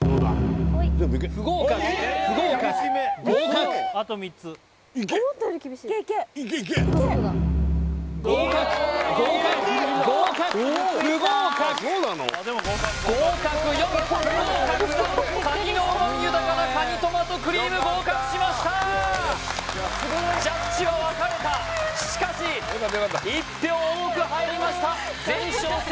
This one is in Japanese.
不合格不合格合格合格合格合格不合格合格４不合格３蟹の旨み豊かなカニトマトクリーム合格しましたジャッジは分かれたしかし１票多く入りました前哨戦